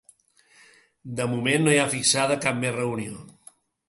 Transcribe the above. De moment, no hi ha fixada cap més reunió.